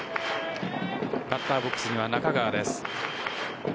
バッターボックスには中川です。